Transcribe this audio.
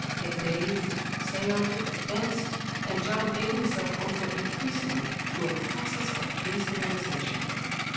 They bathed, sailed, fenced, and John gave himself over increasingly to a process of decivilisation.